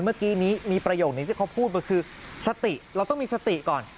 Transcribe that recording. เมื่อกี้นี้มีประโยคนึงที่เขาพูดมาคือสติเราต้องมีสติก่อน